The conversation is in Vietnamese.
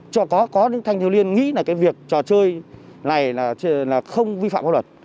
có những thanh thiếu liên nghĩ là cái việc trò chơi này là không vi phạm pháp luật